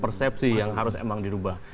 persepsi yang harus emang dirubah